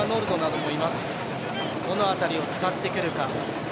どの辺りを使ってくるか。